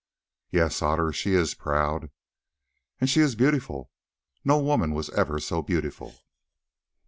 "Yes, Otter, she is proud." "And she is beautiful; no woman was ever so beautiful."